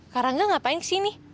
kak rangga ngapain kesini